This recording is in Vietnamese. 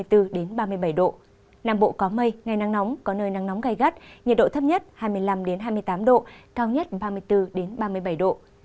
nam bộ có mây ngày nắng nóng có nơi nắng nóng gai gắt nhiệt độ thấp nhất hai mươi năm hai mươi tám độ cao nhất ba mươi bốn ba mươi bảy độ